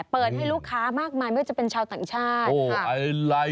เปิดให้ลูกค้ามากมายไม่ว่าจะเป็นชาวต่างชาติ